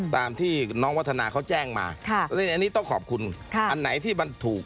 ต้องขอบคุณทาง